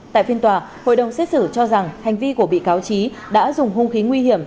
tại phiên tòa hội đồng xét xử cho rằng hành vi của bị cáo trí đã dùng hung khí nguy hiểm